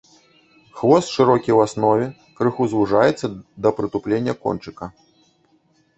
Хвост шырокі ў аснове, крыху звужаецца да прытуплення кончыка.